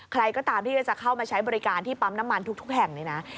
ใครก็ตามที่จะเข้ามาใช้บริการที่ปั๊มน้ำมันทุกแห่งเลยนะ